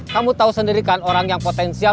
kamu tahu sendirikan orang yang potensial